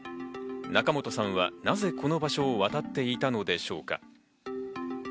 仲本さんはなぜこの場所を渡っていたのでしょうか。